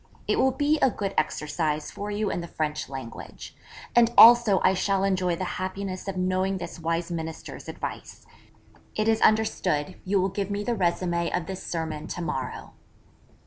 It will be a good exercise for you in the French language. And also I shall enjoy the happiness of knowing this wise Minister's advice. It is understood, you will give me the résumé of this sermon to morrow.'